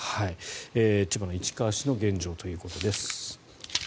千葉の市川市の現状ということです。